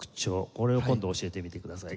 これを今度教えてみてください。